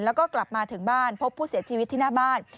แล้วก็กลับมาถึงบ้านพบผู้เสียชีวิตที่หน้าบ้าน